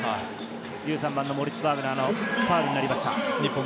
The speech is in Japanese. モリッツ・バグナーのファウルになりました。